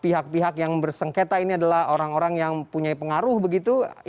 pihak pihak yang bersengketa ini adalah orang orang yang punya pengaruh begitu